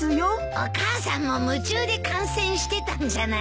お母さんも夢中で観戦してたんじゃない？